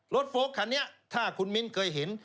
โฟลกคันนี้ถ้าคุณมิ้นเคยเห็น